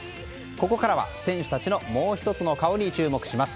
ここからは選手たちのもう１つの顔に注目します。